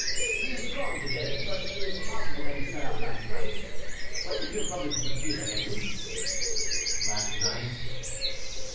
"He is gone to day, but it is possible that he set out last night. When did your brother disappear, Henri?" "Last night."